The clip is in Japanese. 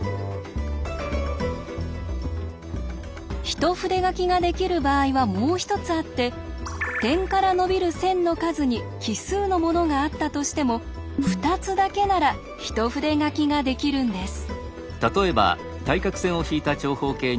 一筆書きができる場合はもう一つあって点から伸びる線の数に奇数のものがあったとしても２つだけなら一筆書きができるんです。